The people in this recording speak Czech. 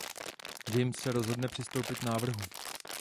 James se rozhodne přistoupit návrhu.